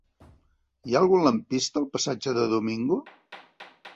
Hi ha algun lampista al passatge de Domingo?